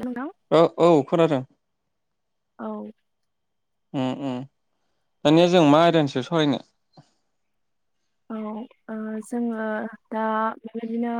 नोंथां औ औ खोनादों । औ । उम उम दानिया जों मा आयदानि सायाव सावरायनो? औ जोङो दा बेबायदिनो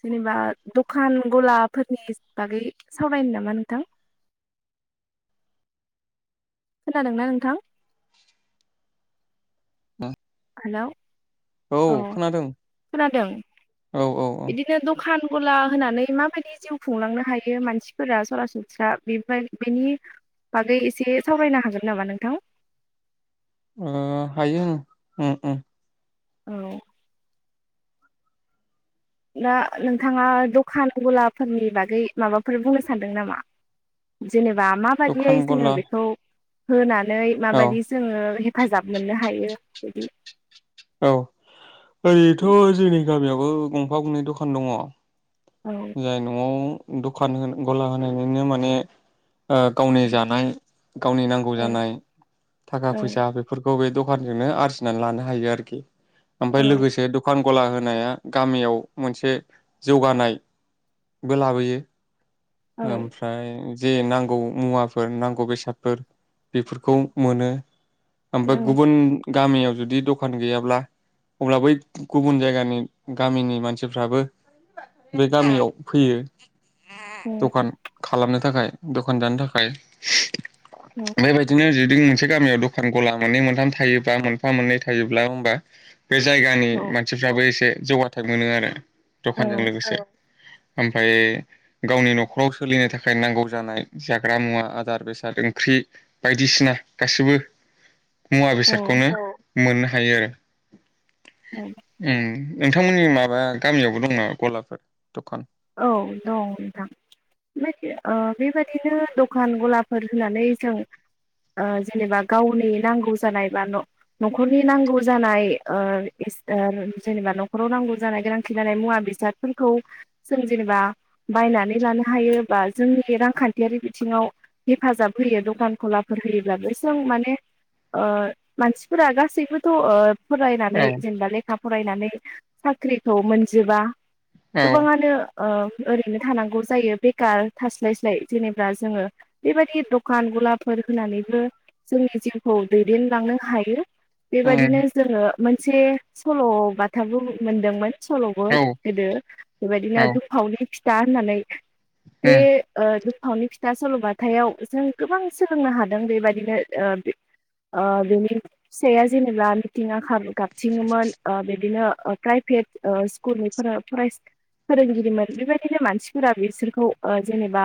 जेनेबा दखान गलाफोरनि बागै सावरायनो नामा नोंथां खोनादोंना नोंथां? [unintelligible] हेल' । औ खोनादों औ औ औ । बिदिनो दखान गला होनानै माबायदि जिउ खुंलांनो हायो मानसिफोरा सरासनस्रा बे बेनि बागै एसे सावरायनो हागोन नामा नोंथां? ओ हायो उम उम । औ । दा नोंथाङा दखान गलाफोरनि बागै माबाफोर बुंनो सानदों नामा? जेनेबा दखान माबायदियै जोङो गला बेखौ होनानै औ माबायदि जोङो हे हेफाजाब मोननो हायो बिदि । औ ओरैथ' जोंनि गामियाव बो गंफा गंनै दखान दङ' । औ जाय न'आव द'खान होन ग'ला होनायनिनो माने ओ गावनि जानाय गावनि नांगौ औ जानाय थाखा औ फैसा बेफोरखौ बे दख कानजोंनो आरजिनानै लानो हायो आरोखि । औ ओमफ्राय लोगोसे दखान ग'ला होनाया गामियाव मोनसे जौगानाय बो लाबोयो औ । ओमफ्राय जे नांगौ मुवाफोर नांगौ बेसादफोर बेफोरखौ मोनो। औ ओमफ्राय गुबुन गामियाव जुदि दखान गैयाब्ला अब्ला बै गुबुन जायगानि गामिनि मानसिफ्राबो बे गामियाव फैयो। दखान खालामनो थाखाय दखान दानो थाखाय औ बेबायदिनो जे मोनसे गामियाव दखान गला मोननै मोनथाम थायोबा मोनफा मोननै थायोब्ला होमबा बे जायगानि मानसिफ्राबो एसे जौगाथाइ मोनो आरो। दखानजों लोगोसे ओमफ्राय गावनि न'खराव सोलिनो थाखाय नांगौ जानाय जाग्रा मुवा आदार बेसाद ओंख्रि बायदिसिना गासिबो मुवा औ बेसादखौनो मोननो हायो आरो। उम नोंथांमोननि माबा गामियावबो दङ गलाफोर? दखान। औ दङ नोंथां बेदि ओ बेबायदिनो दखान गलाफोर होनानै जों ओ जेनेबा गावनि नांगौ जानाय बा न-नखरनि नांगौ जानाय ओ इस ओ जेनेबा नखराव नांगौ जानाय गोनांथि जानाय मुवा बेसादफोरखौ जों जेनेबा बायनानै लानो हायो बा जोंनि बे रांखानथियारि बिथिङाव हेफाजाब होयो दखान गलाफोर होयोब्लाबो जों माने ओ मानसिफोरा गासैबोथ' ओ फरायनानै औ जेनेबा लेखा फरायनानै साख्रिखौ मोनजोबा। औ गोबाङानो ओ ओरैनो थानांगौ जायो बेकार थास्लायस्लाय जेनेबा जोङो बेबायदि दखान गलाफोर होनानैबो जोंनि जिउखौ दैदेनलांनो हायो। उम बेबादिनो जोङो मोनसे सल' बाथाबो मोनदोंमोन। सल'बो औ गोदो बिदिनो औ दुमफावनि फिथा होननानै बे उम ओ [unintelligible] [unintelligible] फिथा सल'बाथायाव जों गोबां सोलोंनो हादों बेबायदिनो ओ बे ओ बेनि फिसाइया जेनेबा मिथिङा [unintelligible] गाबथिङोमोन ओ बिदिनो ओ प्राइभेट ओ स्कुलनिफोरा फराय फोरोंगिरिमोन बेबायदिनो मानसिफोरा बिसोरखौ ओ जेनेबा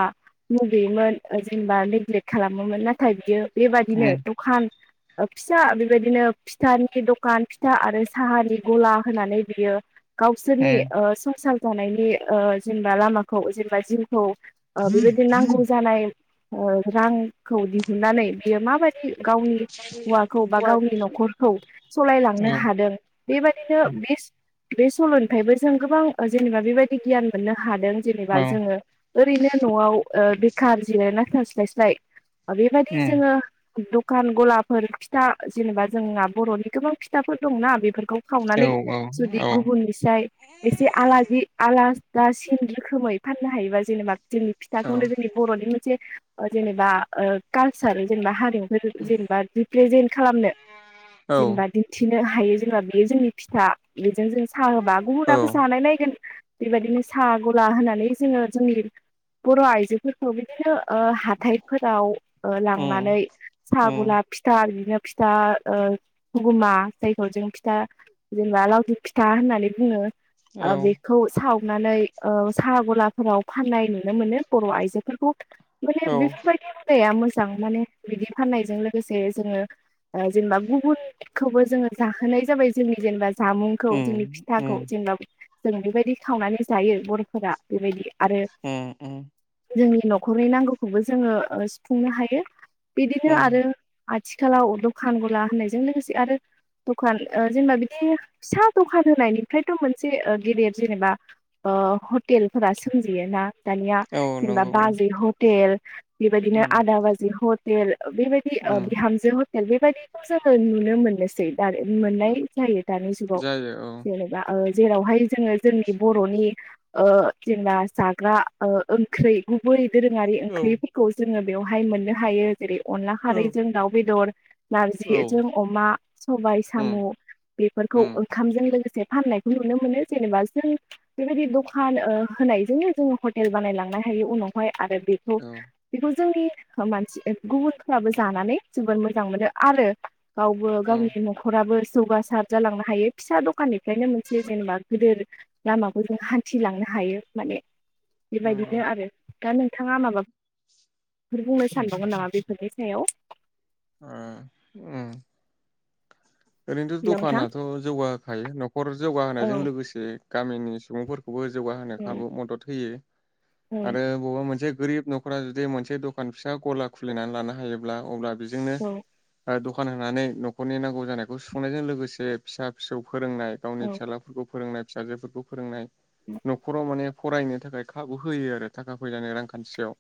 मुगैयोमोन ओ जेनेबा नेग्लेक्ट खालामोमोन नाथाय बियो बेबादिनो उम दखान ओ फिसा बेबायदिनो फिथानि दखान फिथा आरो साहानि गला होनानै बियो गावसोरनि उम ओ सं जानायनि ओ जेनेबा लामाखौ जेनेबा जिउ खौ ओ बेबायदि नांगौ जानाय ओ रांखौ दिहुननानै बियो माबा गावनि हौवाखौ बा गावनि नखरखौ सालायलांनो औ हादों बेबायदिनो बे बे सल'निफ्रायबो जों गोबां ओ जेनेबा बेबायदि गियान मोननो हादों जेनेबा औ जोङो ओरैनो नवाव ओ बेखार जिरायना थास्लायस्लाय बेबायदि उम जोङो दखान गलाफोर फिथा जेनेबा जोंना बर'नि गोबां फिथाफोर दंना बेफोरखौ औ सावनानै जुदि औ गुबुननिसाय जि आलाजि आलादा सिन रोखोमै फाननो हायोबा जेनेबा जोंनि फिथाखौनो जोंनि बर'नि। जेनेबा ओ। हिसार जेनेबा हारिमुफोर जेनेबा। प्रेजेन्ट। खालामनो औ जेनेबा दिन्थि हायो जोंना बेयो जोंनि फिथा। बेजों जों साह होंडा औ गुबुना। फोसानाय नायगोन। बेबायदिनो साहा गला होनानै जोङो जोंनि बर' आइजोफोरखौ बिदिनो। हाथायफोराव उम लांनानै सा उम गला फिथा बिदिनो। फिथा ओ हुगुमा जायखौ जों फिथा जेनेबा लावथ फिथा होननानै बुङो। औ आ बेखौ साव नानै साहा गलाफोराव फाननाय नुनो मोनो बर' आइजोफोरखौ। माने औ बेफोरबायदि सुदामा मोज जां माने बिदि फाननायजों लोगोसे जोङो जेनेबा गुबुनखौबो जोङो जाहोनाय जाबाय जोंनि जेनेबा। जामुंखौ उम जोंनि उम फिथाखौ जेनबा। जों बेबायदि खावनानै जायो बर'फोरा। बेबायदि आरो उम उम जोंनि। न'खरनि नांगौखौबो जोङो सुफुंनो हायो। बिदिनो उम आरो। आथिखालाव दखान गला होननायजों लोगोसे आरो दखान ओ जेनेबा बिदि फिसा दखान होनायनिफ्रायथ' मोनस से ओ गेदेर जेनेबा ओ हटेलफोरा सोमजियो ना? दानिया औ जेनेबा नंगौ बाजै हटेल बेबायदिनो उम आदा बाजै हट टे आरो ओ बेबायदि ओ उम बिहामजो हट एल बेबायदिखौ जोङो नुनो मोननोसै। दारो उम मोननाय जायो दानि जुगाव जायो औ जेनेबा ओइ जेरावहाय जोङो जोंनि बर'नि ओ जेनबा जाग्रा ओ ओंख्रि गुब बै दोरोङारि औ ओंख्रिफोरखौ जों जोङो बेवहाय मोननो हायो। जेरै अनला औ खारैजों दाउ बेदर औ नारजिजों अमा सबाय साम' उम बेफोरखौ उम ओंखामजों लोगोसे फाननाय नुनो मोनो जेनेबा जों बेबायदि दखान ओ होनायजोंनो जोङो हटेल बानायलांनो हायो उनावहाय। आरो बेखौ औ बेखौ ज जोंनि ओ मानसि ओ गुबुनफ्राबो जानानै जोबोद मोजां मोनो आरो गावबो औ गावनि न'खराबोस जौगासार जालांनो हायो फिसा दखाननिफ्रायनोम से जेनेबा गोदोर लामाखौ जों हान्थिलांनो हायो माने नंगौ बेबायदिनो आरो दा नोंथाङा माबाब फोर बुंनो सानबावमोन नामा बेफोरनि सायाव? अ उम ओरैनोथ' हेलौ नोंथां दखानाथ' जौगा होखायो न'खर औ जौगाहोनायजों लोगोसे गामिनि सुबुंफोर खौबो जौगाहोनो औ खाबु मदद होयो। औ आरो बबावबा मोनसे गोरिब न'खरा जुदि मोनसे दखान फिसा गला खुलिनानै लानो हायोब्ला अब्ला बेजोंनो औ ओ दख खान होनानै न'खरनि नांगौ जानायखौ सुफुंनायजों लोगोसे फिसा फिसौ फोरोंनाय गावनि औ फिसालाफोरखौ फोरोंनाय फिसाजोफोरखौ फोरोंनाय। न'खराव माने फरायनो थाखाय खाबु होयो आरो थाखा फैसानि रांखान्थियाव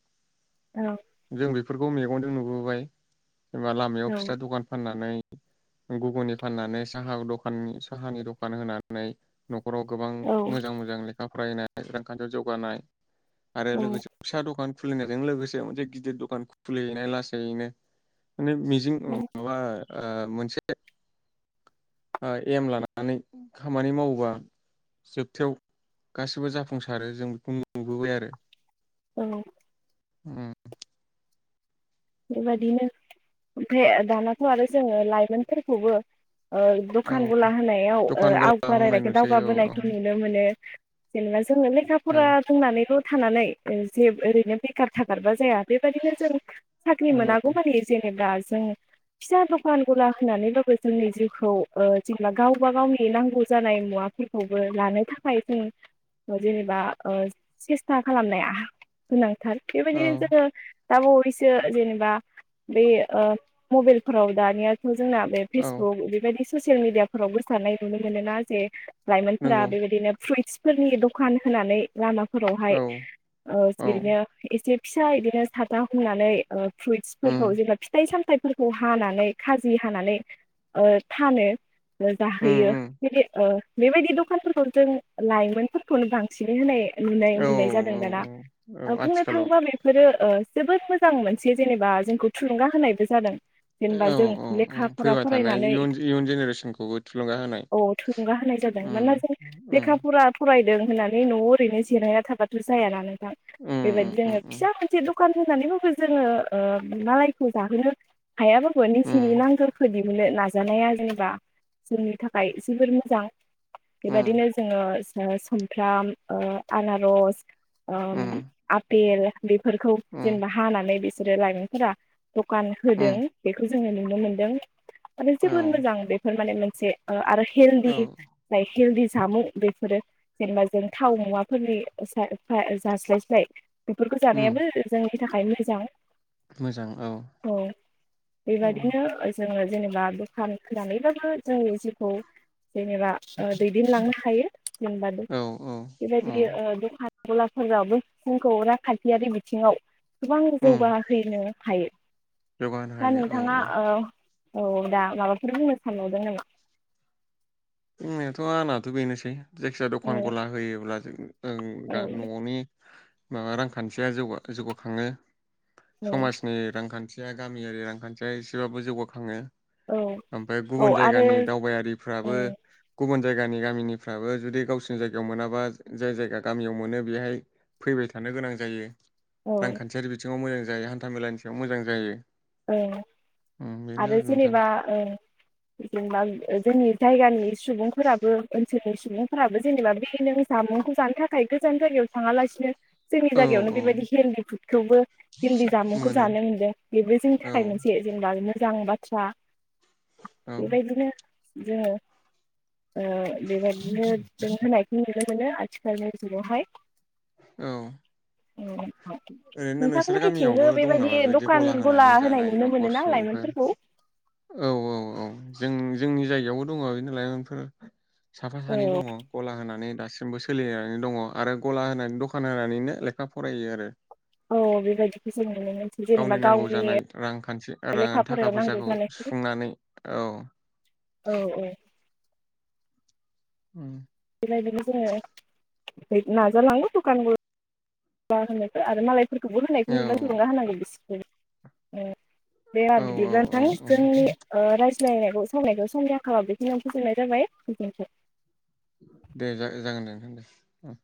जों बे बेफोरखौ मेगंजों नुबोबाय। जेनेबा लामायाव औ औ फिथा दखान फाननानै गुगुनि फाननानै साहा-साहानि दखान होनानै न' खराव गोबां औ मोजां-मोजां ले खा फरायनाय रांखान्थियाव जौगानाय आरो औ लोगोसे फिसा दखान खुलिनायजों लोगोसे मोनसे गिदिर दखान खुलिहैनाय लासैनो माने मिजिं औ माबा ओ मोनसे ओ एम लानानै खामानि मावोबा जोबथायाव गासिबो जाफुंसारो जों बेखौ नुबोबाय आरो औ। उम बेबायदिनो ओमफ्राय दानाथ' आरो जोङो लाइमोनफोरखौबो औ दखान गुला होनायाव दखान आव गोला होनाय बारायनायखौ नुसै औ औ दावगाबोनायखौ नुनो मोनो। जेनेबा ज जोंनो लेखा औ फरा रोंनानैबो थानानै जे ओरैनो बेखार थागारबा जाया। बेबादिनो जों साख्रि नंगौ मोनांगौ मानि जेन नेबा जों फिसा दखान गला होनानैबाबो जोंनि जिउखौ ओ जेनेबा गावबा गावनि नांगौ जानाय मुवाफोरखौबो लानो थाखाय जों ओ जेनेबा ओ सेस्था खालामनाया गोनां थार औ बेबादिनो जोंङो दा बावैसो ज-जेनेबा बे ओ मबाइलफोराव दानिया जोंना बे औ फेसबुक बेबायदि ससियेल मिडियाफोराव गोसारनाय नुनो मोनोना जे लाइमोनफोरा नंगौ बेबायदिनो फ्रुइट्स फोरनि दखान होनानै लामाफ फोरावहाय औ ओ औ बिदिनो एसे फिसा बिदिनो साथा हमना नानै औ फ्रुइट्सफोरफोरखौ उम जेनेबा फिथाइ सामथाइ फोरखौ हानानै खाजि हानानै ओ फानो उम जाहोयो बे ओ बेबायदि दखानफोरखौ जों लाइमोनफोरखौनो बांसिनै होनाय नुनाय औ मोननाय जादों औ दाना औ औ बुंनो आथिखालाव थाङोबा बेफोरो ओ जोबोद मोजां मोनसे जेनेबा जोंखौ थुलुंगा होनायबो जादों जेनेबा औ जों औ औ लेखा फरा फैबाय थानाय फरायनानै इयुन इयुन जेनेरेसनखौबो थुलुंगा होनाय औ थुुंगा होनाय जादों उम मानोना जों उम लेखा फरा फरायदों होनानै न'आव ओरैनो जेरहायना थाबाथ' जाया नालानो उम बेबायदि उम जोङो फिसा उम मोनसे द दखान जानिबो जोङो मालायखौ जाहोनो हायाबाबो नोंसिनि उम नांगौखो नो नाजानाया जेनेबा जोंनि थाखाय जोबोर मोजां उम बेबदिनो जोङो सुमफ्राम आनारस आ आ उम आपेल बेफोरखौ उम जेनेबा नानै बिसोरो लाइमोनफोरा दखान होदों उम बेखौ जोङो नुनो मोनदों आरो औ जोबोर मोजां बेफोर माने [inaudible] आरो औ हेल्दि हेल्दिस जामु बेफोरो जेनेबा जों थाव मुवाफोरनि सा फा जास्लायस्लाय बेफोरखौ उम जानायाबो जों नि थाखाय मोजां मोजां औ अ औ बेबादिनो ओ जोङो जेनेबा दखान खोनानैबाबो जोंनि जिउखौ जेनेबा ओ दैदेनलांनो हायो । जोंबादै औ औ औ बेबायदिनो ओ दखान गलाफोरावबो जोंखौ रांखान्थियारि बिथिङाव गोबां उम जौगाहैनो हायो जौगाहोनो दा हायो औ नोंथाङा औ ओ औ दा माबाफोर बुंनो सानबावदों नामा दिनैथ आंनाथ बेनोसै जायखिजाया दखान गला होयोब्ला जों ओ औ गा ननि माबा रांखान्थिया जौगा जौगाखङो औ औ समाजनि रांखान्थि जा गामियारि रांखान्थिया एसेबाबो जौगाखाङो औ ओमफाय औ गुबुन आरो जायगानि ओ दावबायारिफ्राबो गुबुन जायगानि गामिनिफ्राबो जुदि गावसिनि जायगायाव मोनाबा जाय जायगा गामियाव मोनो बेहाय फैबाय थानो गोनां जायो औ रांखान्थियारि बिथिङाव मोजां जायो हान्था मेलानि सायाव मोजां जायो औ उम बेनो आरो नोंथां जेनेबा ओ जेनेबा जोंनि जायगानि सुबुंफोराबो ओनसोलनि सुबुंफोराबो जेनेबा बेदिनो जामुंखौ जानो थाखाय गोजान जायगायाव थाङालासिनो जोंनि औ जायगायावनो औ बेबायदि हेल्दि फुदखौबो हेल्दि जामुंखौ मोनो जानो मोनदों बेबो औ थाखाय मोनसे जेनेबा मोजां बाथ्रा औ बेबायदिनो जोङो ओ बेबायदिनो लोंहोनायखौ नुनो मोनो आथिखालनि जुगावहाय औ ओरैनो नोंसोर नोंथांमोननिथिंबो गामियावबो दं नामा बेबायदि दखान गला हो नानै होनाय जानाय नुनो नखर मोनोना सुबुंफोर लाइमोनफोरखौ औ औ औ जों जोंनि जायगायावबो दङ बिदि लाइमोनफोरा साफा औ सानै दङ गला होनानै दासिमबो सोलिनानै दङ आरो गला होनाय दखान होनानैनो लेखा फरायो आरो औ बेबायदिखौ जों नुनो मोनसै गावनि जेनेबा नांगौ जानाय रांखान्थि गावनि रां लेखा थाखा फरायाव नांगौ फैसाखौ जानायफोर सुफुंनानै औ औ औ [unintelligible] ओमफ्राय बिदिनो जोङो नाजालांगौ दखानबो [inaudible] मा होनोखौ [inaudible] आरो मालाय फोरखौबो औ होनायखौ नुब्ला थुलुंगा होनांगौ बिसिरखौबो ए दे होमबा औ औ बिदिब्ला औ नोंथां औ जोंनि ओ सिनाय सावनायखौ समनिखा आंखालाव बेखिनिआवनो फोजोबनाय जाबाय गोजोनथों दे जागो जागोन दे नोंथां ओ